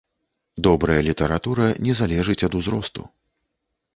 Добрая літаратура не залежыць ад узросту.